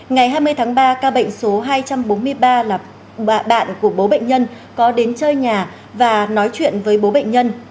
ngày hai mươi tháng ba ca bệnh số hai trăm bốn mươi ba là bạn của bố bệnh nhân có đến chơi nhà và nói chuyện với bố bệnh nhân